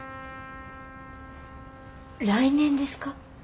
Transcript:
来年ですか？